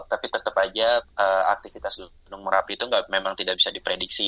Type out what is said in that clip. tapi tetap aja aktivitas gunung merapi itu memang tidak bisa diprediksi